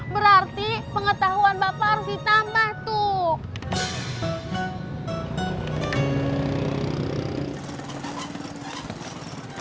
berarti pengetahuan bapak harus ditambah tuh